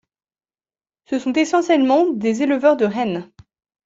Ce sont essentiellement des éleveurs de rennes.